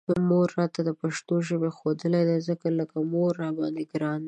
مور راته پښتو ژبه ښودلې ده، ځکه لکه مور راباندې ګرانه ده